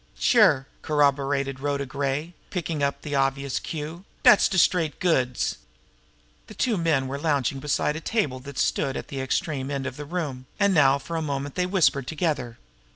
"Sure!" corroborated Rhoda Gray, picking up the obvious cue. "Dat's de straight goods." The two men were lounging beside a table that stood at the extreme end of the room, and now for a moment they whispered together.